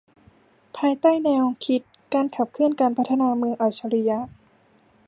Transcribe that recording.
ภายใต้แนวคิดการขับเคลื่อนการพัฒนาเมืองอัจฉริยะ